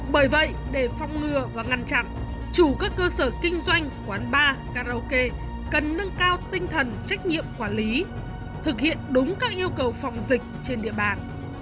bởi vậy để phong ngừa và ngăn chặn chủ các cơ sở kinh doanh quán bar karaoke cần nâng cao tinh thần trách nhiệm quản lý thực hiện đúng các yêu cầu phòng dịch trên địa bàn